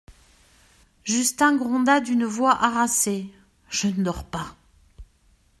Justin gronda d'une voix harassée : Je ne dors pas.